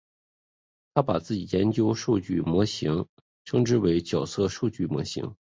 他把自己研究数据模型称之为角色数据模型。